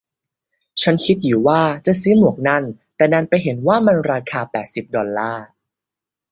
ฉันคิดอยู่ว่าจะซื้อหมวกนั่น แต่ดันไปเห็นว่ามันราคาแปดสิบดอลลาร์